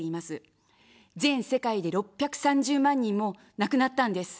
全世界で６３０万人も亡くなったんです。